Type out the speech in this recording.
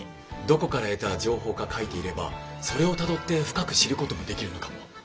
どこから得た情報か書いていればそれをたどって深く知ることもできるのかも。